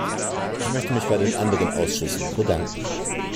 Ich möchte mich bei den anderen Ausschüssen bedanken.